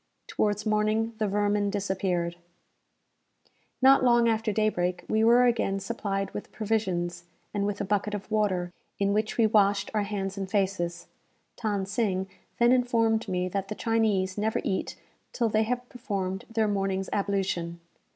Towards morning the vermin disappeared. Not long after daybreak, we were again supplied with provisions, and with a bucket of water, in which we washed our hands and faces. Than Sing then informed me that the Chinese never eat till they have performed their morning's ablution.